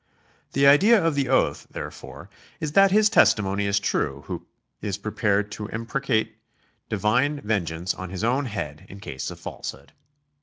The idea of the oath, therefore, is that his testimony' is true who is prepared to imprecate divine vengeance on his own head in case of falsehood.